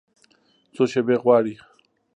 څو شیبې غواړي